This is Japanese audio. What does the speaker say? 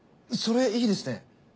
それいいですね。